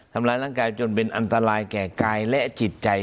ทำร้ายร่างกายจนเป็นอันตรายแก่กายและจิตใจ